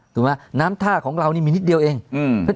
ถูกไหมน้ำท่าของเรานี่มีนิดเดียวเองอืม